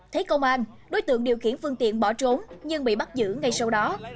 thấy công an đối tượng điều khiển phương tiện bỏ trốn nhưng bị bắt giữ ngay sau đó